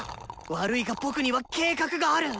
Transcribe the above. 悪いが僕には計画がある！